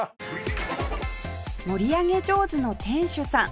盛り上げ上手の店主さん